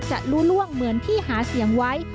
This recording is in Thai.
จะรู้ล่วงเหมือนที่หาเสียงไว้